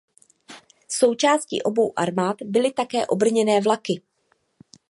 Součástí obou armád byly také obrněné vlaky.